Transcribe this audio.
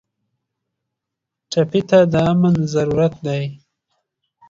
ټپي ته د امن ضرورت دی.